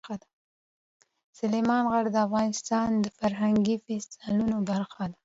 سلیمان غر د افغانستان د فرهنګي فستیوالونو برخه ده.